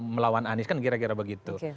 melawan anies kan kira kira begitu